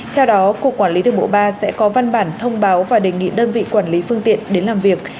theo đó cục quản lý đường bộ ba sẽ có văn bản thông báo và đề nghị đơn vị quản lý phương tiện đến làm việc